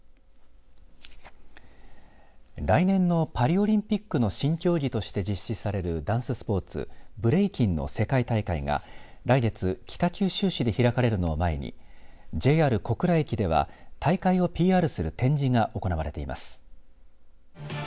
来年のパリオリンピックの新競技として実施されるダンススポーツブレイキンの世界大会が来月、北九州市で開かれるのを前に、ＪＲ小倉駅では大会をＰＲする展示が行われています。